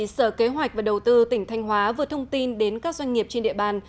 sở kế hoạch và đầu tư tỉnh thanh hóa vừa thông tin đến các doanh nghiệp trên địa bàn